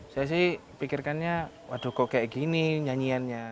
saya sih pikirkannya waduh kok kayak gini nyanyiannya